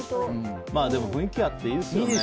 でも、雰囲気あっていいですよね。